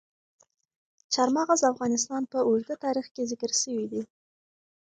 چار مغز د افغانستان په اوږده تاریخ کې ذکر شوی دی.